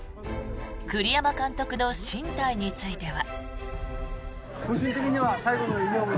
栗山監督の進退については。